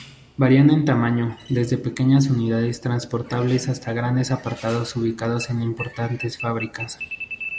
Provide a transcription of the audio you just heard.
Varian en tamaño, desde pequeñas unidades transportables hasta grandes aparatos ubicados en importantes fábricas.